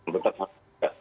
tentang satu tiga